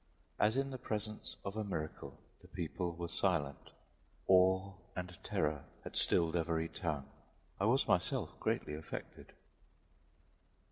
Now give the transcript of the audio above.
As in the presence of a miracle, the people were silent; awe and terror had stilled every tongue. I was myself greatly affected.